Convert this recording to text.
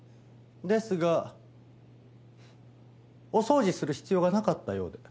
ですがお掃除する必要がなかったようで。